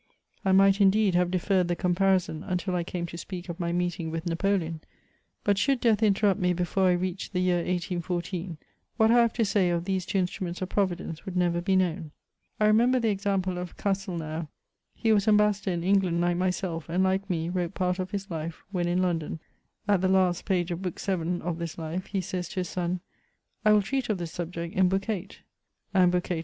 I might indeed have deferred the comparison until I came to speak of my meeting with Napoleon ; but should death interrupt me before I reach the year 1814, what I have to s^ of these two instruments of Providence would never be known ; I re member the example of Castelnau ; he was ambassador in England, like myself, and, like me, wrote part of his life when in London ; at the last page of Book V II. of this life, he says to his son :" I will treat of this subject in Book VIII. ;*' and Book VIII.